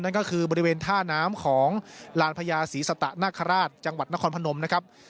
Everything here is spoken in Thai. นั่นก็คือบริเวณท่าน้ำของลานพญาศรีสตะนาคาราชจังหวัดนครพนมนะครับ